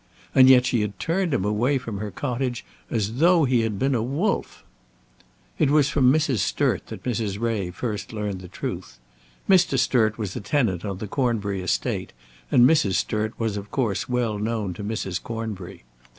And yet she had turned him away from her cottage as though he had been a wolf! It was from Mrs. Sturt that Mrs. Ray first learned the truth. Mr. Sturt was a tenant on the Cornbury estate, and Mrs. Sturt was of course well known to Mrs. Cornbury.